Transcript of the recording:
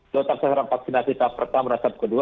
total sasaran vaksinasi tahap pertama dan tahap kedua